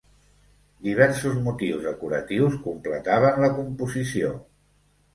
Diversos motius decoratius completaven la composició.